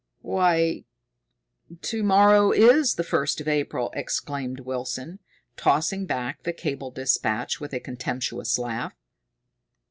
"Why, to morrow is the first of April!" exclaimed Wilson, tossing back the cable dispatch with a contemptuous laugh.